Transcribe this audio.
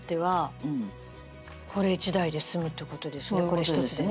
これ１つでね。